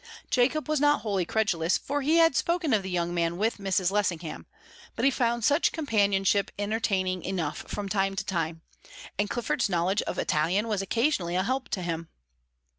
Jacob was not wholly credulous, for he had spoken of the young man with Mrs. Lessingham, but he found such companionship entertaining enough from time to time, and Clifford's knowledge of Italian was occasionally a help to him.